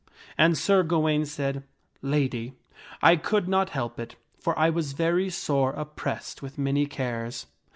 And Sir Gawaine said, "Lady, I could not help it, for I was very sore oppressed with many cares.